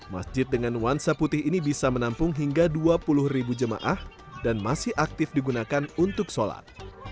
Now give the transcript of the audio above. masjid dengan nuansa putih ini bisa menampung hingga dua puluh ribu jemaah dan masih aktif digunakan untuk sholat